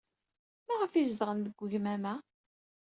Maɣef ay zedɣen deg ugmam-a?